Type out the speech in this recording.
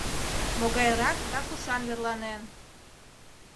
Могайрак да кушан верланен?